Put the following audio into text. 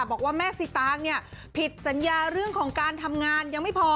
บอกว่าแม่สิตางเนี่ยผิดสัญญาเรื่องของการทำงานยังไม่พอ